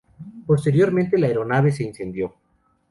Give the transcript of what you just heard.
Posteriormente, la aeronave se incendió.